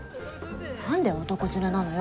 なんで男連れなのよ？